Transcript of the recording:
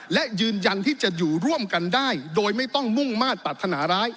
และยืนยันที่จะอยู่ร่วมกันได้โดยไม่ต้องมุ่งมาตรปรัฐนาร้าย